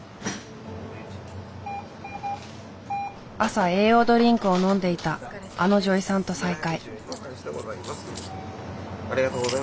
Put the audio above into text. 朝栄養ドリンクを飲んでいたあの女医さんと再会。